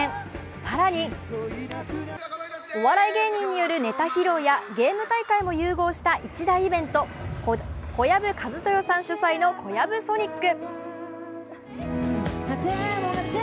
更にお笑い芸人によるネタ披露やゲーム大会も融合した一大イベント、小籔千豊さん主宰のコヤブソニック。